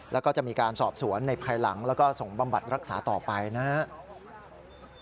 แล้วก็จะมีการสอบสวนในภายหลังแล้วก็ส่งบำบัดรักษาต่อไปนะครับ